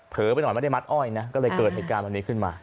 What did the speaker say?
ไปหน่อยไม่ได้มัดอ้อยนะก็เลยเกิดเหตุการณ์แบบนี้ขึ้นมา